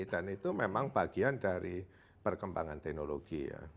dan itu memang bagian dari perkembangan teknologi ya